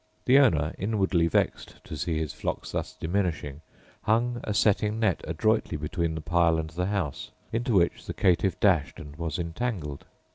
The owner, inwardly vexed to see his flock thus diminishing, hung a setting net adroitly between the pile and the house, into which the caitiff dashed and was entangled.